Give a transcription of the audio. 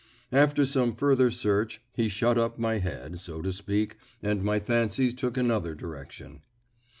After some further search he shut up my head, so to speak, and my fancies took another direction.